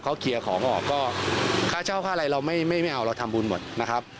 เขาเคลียร์ของออกก็ค่าเช่าค่าอะไรเราไม่เอาเราทำบุญหมดนะครับ